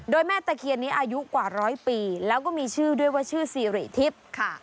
โดยแม่ตะเคียนนี้อายุกว่าร้อยปีแล้วก็มีชื่อด้วยว่าชื่อสิริทิพย์ค่ะ